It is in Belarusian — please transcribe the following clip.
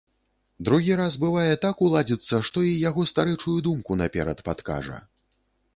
Другі раз бывае так уладзіцца, што й яго старэчую думку наперад падкажа.